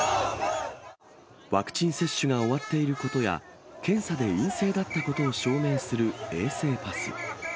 ワクチン接種が終わっていることや、検査で陰性だったことを証明する衛生パス。